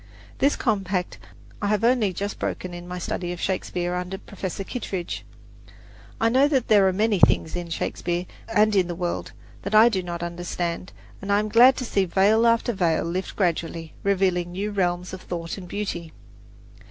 This compact I have only just broken in my study of Shakespeare under Professor Kittredge. I know there are many things in Shakespeare, and in the world, that I do not understand; and I am glad to see veil after veil lift gradually, revealing new realms of thought and beauty.